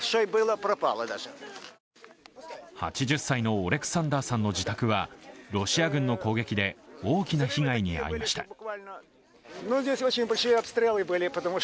８０歳のオレクサンダーさんの自宅はロシア軍の攻撃で大きな被害に遭いました。